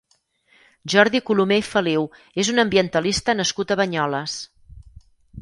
Jordi Colomer i Feliu és un ambientalista nascut a Banyoles.